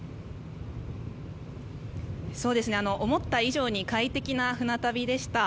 思った以上に快適な船旅でした。